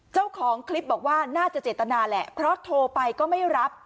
เจ้าของคลิปบอกว่าน่าจะเจตนาแหละเพราะโทรไปก็ไม่รับ